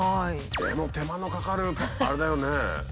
でも手間のかかるあれだよね。